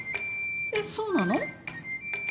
えっそうなの？